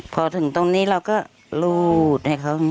พอถึงตรงนี้เราก็รูดให้เขา